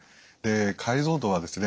解像度はですね